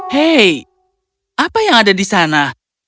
hei apa yang ada di sana